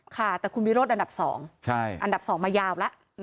ค่ะแต่คุณวิโรธอันดับ๒อันดับ๒มายาวแล้ว